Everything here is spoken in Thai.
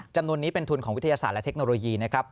จำนวนนี้เป็นทุนของวิทยาศาสตร์และเทคโนโลยีนะครับ